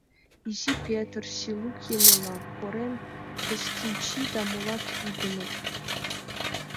Изи Петр, Силук Емела, Корем Кыстинчи да молат лудыныт.